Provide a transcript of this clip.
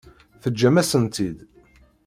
Teǧǧam-asen-tt-id.